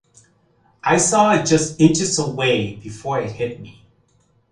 I saw it just inches away before it hit me.